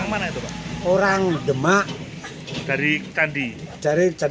berapa orang yang sepeda motor